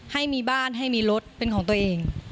ให้มีบ้านให้มีรถเป็นของตัวเอง